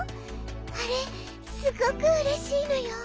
あれすごくうれしいのよ。